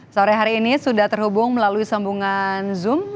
sore hari ini sudah terhubung melalui sambungan zoom